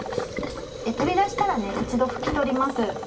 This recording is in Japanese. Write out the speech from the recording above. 取り出したら一度拭き取ります。